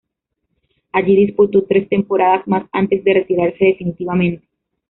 Allí disputó tres temporadas más antes de retirarse definitivamente.